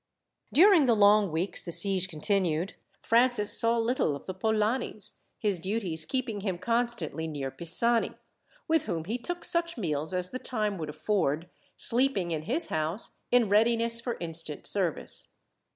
During the long weeks the siege continued, Francis saw little of the Polanis, his duties keeping him constantly near Pisani, with whom he took such meals as the time would afford, sleeping in his house, in readiness for instant service.